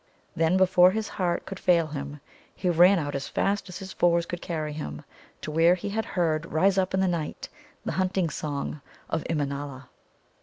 Then, before his heart could fail him, he ran out as fast as his fours could carry him to where he had heard rise up in the night the Hunting Song of Immanâla.